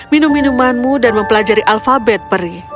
minum minumanmu dan mempelajari alfabet peri